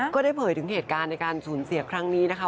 ก็ได้เผยถึงเหตุการณ์ในการสูญเสียครั้งนี้นะคะ